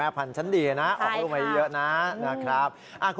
ดูใหม่เยอะนะครับ